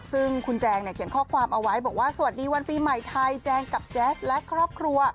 ซึ่งคุณแจงเนี่ยเขียนข้อความเอาไว้บอกว่าสวัสดีวันปีใหม่ไทยแจงกับแจ๊สและครอบครัว